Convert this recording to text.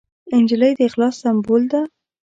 نجلۍ د اخلاص سمبول ده.